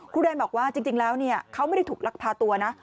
แดนบอกว่าจริงแล้วเขาไม่ได้ถูกลักพาตัวนะ